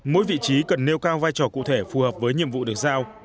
mỗi vị trí cần nêu cao vai trò cụ thể phù hợp với nhiệm vụ được giao